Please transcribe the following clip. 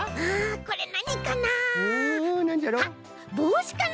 これなにかな？